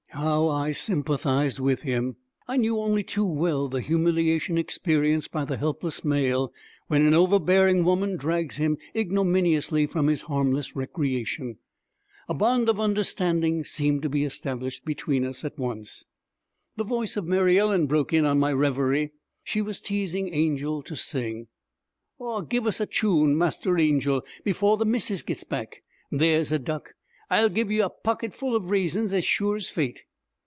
How I sympathized with him! I knew only too well the humiliation experienced by the helpless male when overbearing woman drags him ignominiously from his harmless recreation. A bond of understanding seemed to be established between us at once. The voice of Mary Ellen broke in on my reverie. She was teasing Angel to sing. 'Aw, give us a chune, Master Angel, before th' missus gets back! There's a duck! I 'll give ye a pocketful of raisins as sure's fate!'